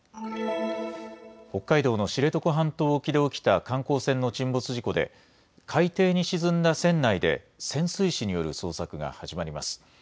北海道の知床半島沖で起きた観光船の沈没事故で海底に沈んだ船内で潜水士による捜索が始まります。